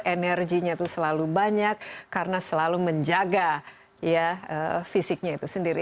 energinya itu selalu banyak karena selalu menjaga fisiknya itu sendiri